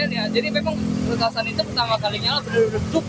senang ya jadi memang petasan itu pertama kalinya benar benar juk